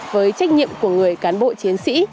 với trách nhiệm của người cán bộ chiến sĩ